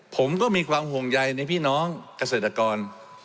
ผมก็มีความห่วงใยในพี่น้องเกษตรกร